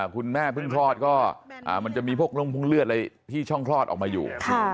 คุณแม่เพิ่งคลอดก็มันจะมีพวกลงพุ่งเลือดอะไรที่ช่องคลอดออกมาอยู่